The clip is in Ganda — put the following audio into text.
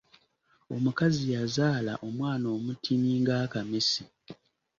Omukazi yazaala omwana omutini ng’akamese.